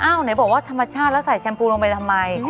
ไหนบอกว่าธรรมชาติแล้วใส่แชมพูลงไปทำไม